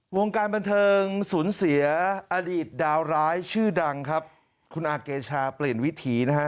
วงการบันเทิงสูญเสียอดีตดาวร้ายชื่อดังครับคุณอาเกชาเปลี่ยนวิถีนะฮะ